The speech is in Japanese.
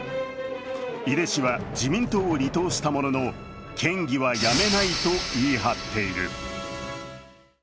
井手氏は自民党を離党したものの、県議は辞めないと言い張っている。